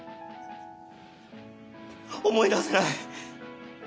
思い出せない！